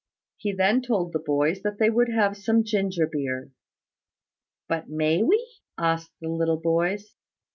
He then told the boys that they would have some ginger beer. "But may we?" asked the little boys.